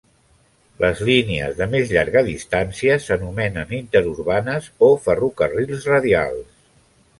Les línies de més llarga distància s'anomenen "interurbanes" o "ferrocarrils radials".